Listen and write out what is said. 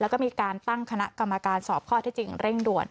แล้วก็มีการตั้งคณะกรรมการสอบข้อที่จริงเร่งด่วน